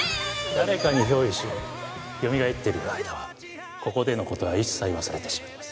誰かに憑依しよみがえっている間はここでの事は一切忘れてしまいます。